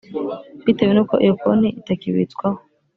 bitewe n’uko iyo konti itakibitswaho